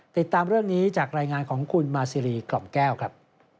ติดตามเรื่องนี้จากรายงานของคุณมาซีรีกล่อมแก้วครับ